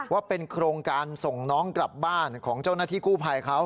ว่าเป็นโครงการส่งน้องกลับบ้านของเจ้าหน้าที่กู้ภัยเขา